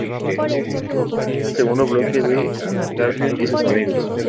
Es el segundo bloque de Garfield y sus amigos.